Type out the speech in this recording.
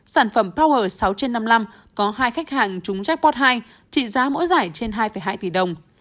sản phẩm power sáu trên năm mươi năm có hai khách hàng trúng japort hai trị giá mỗi giải trên hai hai tỷ đồng